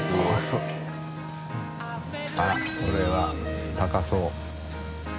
あらこれは高そう。